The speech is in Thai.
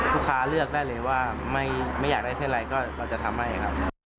ลูกค้าเลือกได้เลยว่าไม่อยากได้เส้นอะไรก็เราจะทำให้ครับ